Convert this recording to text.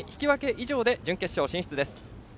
以上で準決勝進出です。